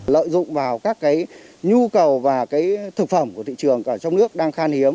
lợi dụng vào các nhu cầu và thực phẩm của thị trường ở trong nước đang khan hiếm